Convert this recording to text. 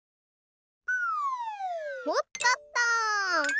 おっとっと！